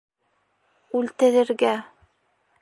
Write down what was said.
— Үлтерергә.